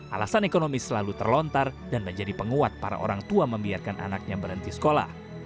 alasan ekonomi selalu terlontar dan menjadi penguat para orang tua membiarkan anaknya berhenti sekolah